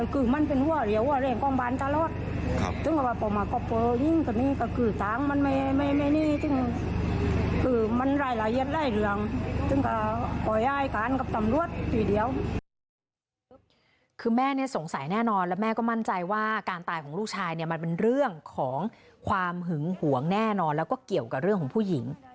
คือแม่สงสัยแน่นอนแล้วแม่ก็มั่นใจว่าการตายของลูกชายเนี่ยมันเป็นเรื่องของความหึงหวงแน่นอนแล้วก็เกี่ยวกับเรื่องของผู้หญิง